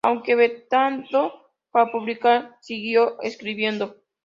Aunque vetado para publicar, siguió escribiendo.